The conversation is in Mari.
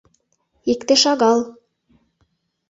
Икте шагал.